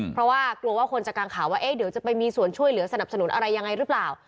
เพราะว่ากลัวว่าคนจะกังข่าวว่าเดี๋ยวจะไปมีส่วนช่วยเหลือสนับสนุนอะไรยังไงหรือเปล่า